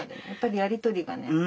やっぱりやり取りがね。